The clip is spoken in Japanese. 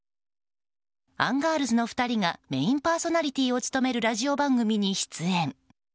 アンガールズの２人がメインパーソナリティーを務めるラジオ番組に出演。